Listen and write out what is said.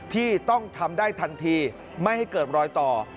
ที่ต้องทำได้ทันทีไม่ให้เกิดรอยต่อ